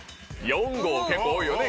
４合は結構多いよね。